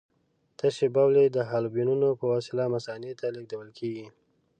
تشې بولې د حالبیونو په وسیله مثانې ته لېږدول کېږي.